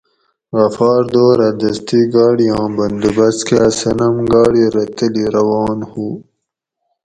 غفار دورآ دستی گاڑی آں بندوبست کا صنم گاڑی رہ تلی روان ھو